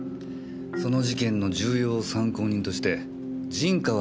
その事件の重要参考人として陣川